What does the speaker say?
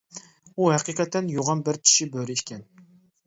ئۇ ھەقىقەتەن يوغان بىر چىشى بۆرە ئىكەن.